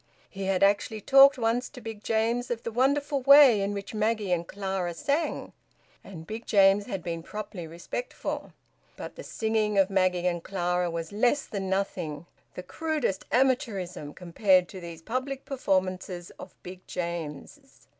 He had actually talked once to Big James of the wonderful way in which Maggie and Clara sang, and Big James had been properly respectful. But the singing of Maggie and Clara was less than nothing, the crudest amateurism, compared to these public performances of Big James's.